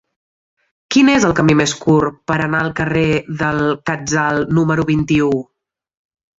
Quin és el camí més curt per anar al carrer del Quetzal número vint-i-u?